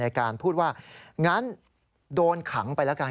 การพูดว่างั้นโดนขังไปแล้วกัน